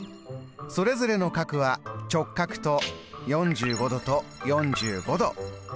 それぞれの角は直角と４５度と４５度。